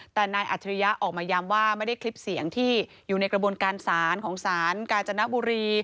แต่นายอัจฉริยะออกมาย้ำว่าไม่ได้คลิปเสียงที่อยู่ในกระบวนการศาลของศาลกาญจนบุรี